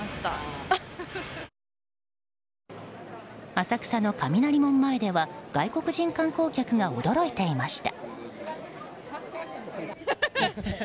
浅草の雷門前では外国人観光客が驚いていました。